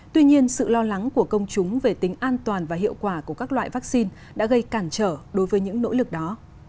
tuy nhiên sự lo lắng của công chúng về tính an toàn và hiệu quả của các loại vaccine đã gây cản trở đối với những nỗ lực đó